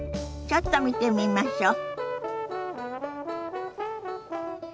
ちょっと見てみましょ。